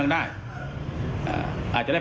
ในจะได้